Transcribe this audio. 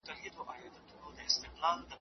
په نیزو، غشیو او زغرو و پوښلی